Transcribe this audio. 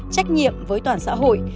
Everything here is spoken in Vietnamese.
trách nhiệm với toàn xã hội